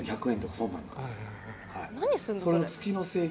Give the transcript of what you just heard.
そんなんなんですよはい。